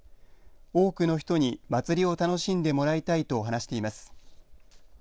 多くの人に祭りを楽しんでもらいたいと話しています。